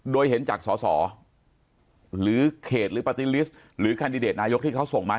โดยเห็นจากสอสอหรือเขตหรือปาร์ตี้ลิสต์หรือแคนดิเดตนายกที่เขาส่งมา